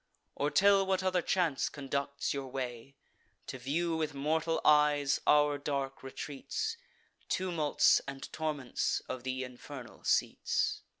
Or tell what other chance conducts your way, To view with mortal eyes our dark retreats, Tumults and torments of th' infernal seats."